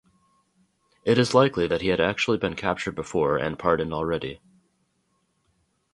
It is likely that he had actually been captured before and pardoned already.